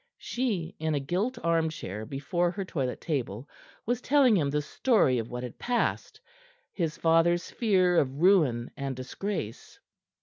She, in a gilt arm chair before her toilet table, was telling him the story of what had passed, his father's fear of ruin and disgrace.